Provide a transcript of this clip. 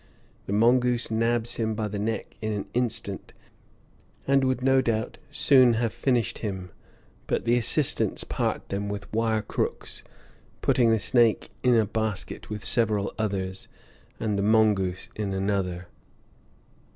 The mongoose nabs him by the neck in an instant, and would no doubt soon have finished him; but the assistants part them with wire crooks, putting the snake in a basket with several others and the mongoose in another.